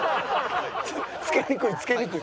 付けにくい付けにくい。